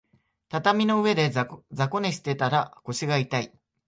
畳の上で雑魚寝してたら腰が痛い